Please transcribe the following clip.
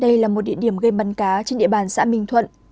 đây là một địa điểm gây bắn cá trên địa bàn xã minh thuận